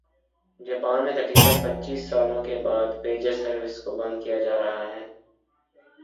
Japan میں تقریبا ًپچيس سالوں کے بعد پیجر سروس کو بند کیا جا رہا ہے